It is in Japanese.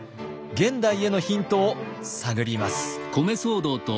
現代へのヒントを探ります。